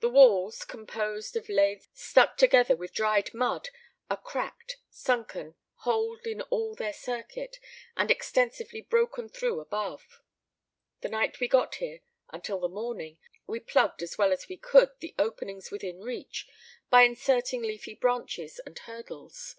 The walls, composed of laths stuck together with dried mud, are cracked, sunken, holed in all their circuit, and extensively broken through above. The night we got here until the morning we plugged as well as we could the openings within reach, by inserting leafy branches and hurdles.